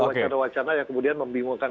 wacana wacana yang kemudian membingungkan